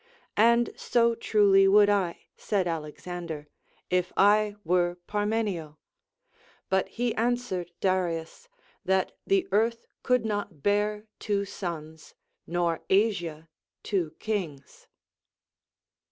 And so truly would I, said Alexander, if I were Parmenio. But he answered Darius, that the earth could not bear two suns, nor Asia two kings.